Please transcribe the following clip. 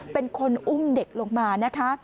เป็นคนอุ้มเด็กลงมานะคะ